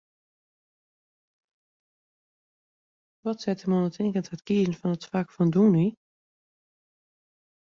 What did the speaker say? Wat sette him oan ta it kiezen fan it fak fan dûmny?